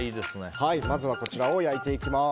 まずはこちらを焼いていきます。